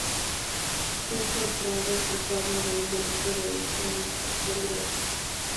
Fue encontrado culpable de un delito de agresión en tercer-grado.